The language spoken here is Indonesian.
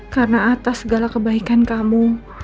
karena atas segala kebaikan kamu